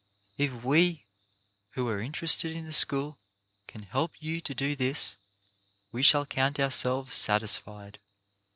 If we who are interested in the school can help you to do this, we shall count ourselves satisfied.